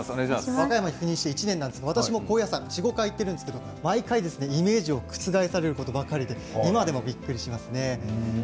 和歌山に赴任して１年なんですが私の高野山に４、５回行っているんですが毎回イメージを覆されることばかりで今でもびっくりしますね。